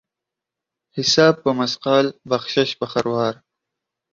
حساب په مثقال ، بخشش په خروار.